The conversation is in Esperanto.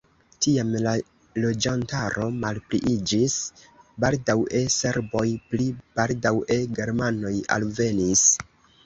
Tiam la loĝantaro malpliiĝis, baldaŭe serboj, pli baldaŭe germanoj alvenis.